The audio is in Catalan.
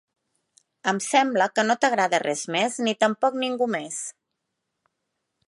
Em sembla que no t'agrada res més, ni tampoc ningú més.